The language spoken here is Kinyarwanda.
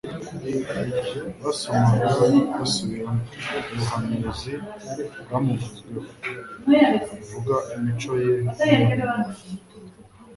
Basomaga basubiramo ubuhanuzi bwamuvuzweho buvuga imico ye n'umurimo we.